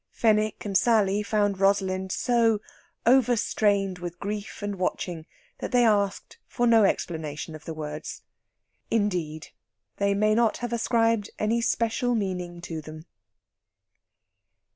Fenwick and Sally found Rosalind so overstrained with grief and watching that they asked for no explanation of the words. Indeed, they may not have ascribed any special meaning to them.